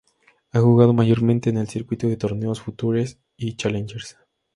Ha jugado mayormente en el circuito de torneos Futures y Challengers.